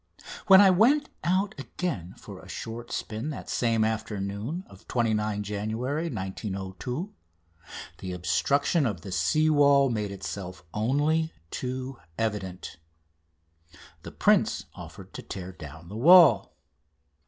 When I went out again for a short spin that same afternoon of 29th January 1902 the obstruction of the sea wall made itself only too evident. The prince offered to tear down the wall.